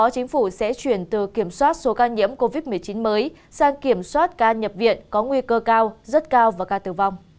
chính phủ sẽ chuyển từ kiểm soát số ca nhiễm covid một mươi chín mới sang kiểm soát ca nhập viện có nguy cơ cao rất cao và ca tử vong